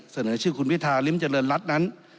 เสนอชื่อคุณพิธาริมเจริญรัฐนั้น